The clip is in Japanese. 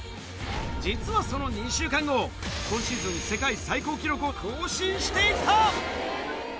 実はその２週間後、今シーズン世界最高記録を更新していた。